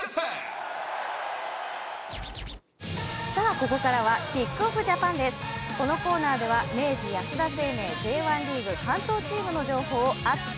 ここからは「ＫＩＣＫＯＦＦ！Ｊ」です、このコーナーでは明治安田生命Ｊ１リーグ関東チームの情報を熱く！